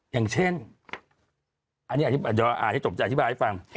อย่างเช่นอันนี้จบจะอธิบายให้ฟัง